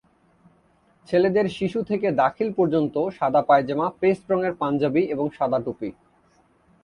ছেলেদের শিশু থেকে দাখিল পর্যন্ত সাদা পায়জামা, পেস্ট রঙের পাঞ্জাবি এবং সাদা টুপি।